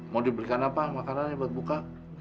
mau dibelikan apa makanannya buat buka